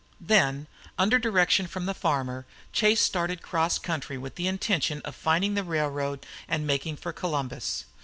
Then, under direction from the farmer, Chase started cross country with the intention of finding the railroad and making for Columbus.